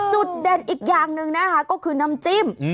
จุดเด่นอีกอย่างหนึ่งนะคะก็คือน้ำจิ้ม